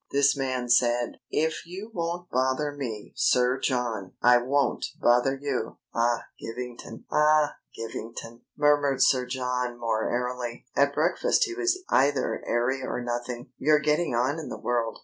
This man said: "If you won't bother me, Sir John, I won't bother you." "Ah! Givington! Ah! Givington!" murmured Sir John still more airily at breakfast he was either airy or nothing. "You're getting on in the world.